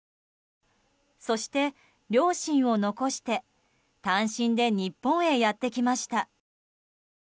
そして、両親を残して単身で日本へやってきました。